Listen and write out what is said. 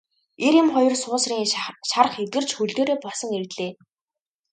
Эр эм хоёр суусрын шарх эдгэрч хөл дээрээ босон ирлээ.